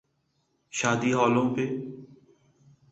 شادی ہالوں پہ۔